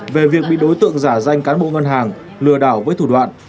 về việc bị đối tượng giả danh cán bộ ngân hàng lừa đảo với thủ đoạn